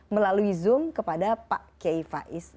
melalui zoom kepada pak kiai faiz